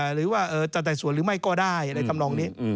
หรือว่าจะไต่สวนหรือไม่ก็ได้อะไรทำนองนี้